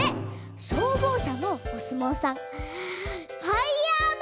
しょうぼうしゃのおすもうさんファイヤー丸！